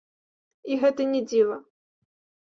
І гэта не дзіва.